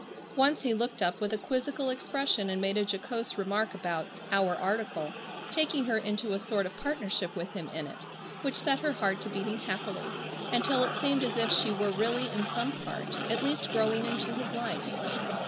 Once he looked up with a quizzical expression and made a jocose remark about "our article," taking her into a sort of partnership with him in it, which set her heart to beating happily, until it seemed as if she were really in some part at least growing into his life.